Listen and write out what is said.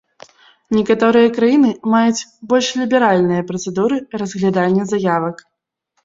Некаторыя краіны маюць больш ліберальныя працэдуры разглядання заявак.